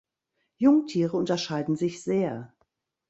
Jungtiere unterscheiden sich sehr.